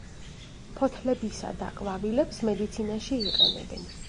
ფოთლებისა და ყვავილებს მედიცინაში იყენებენ.